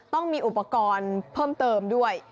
ต้องมีอุปกรณ์เพิ่มเติมด้วย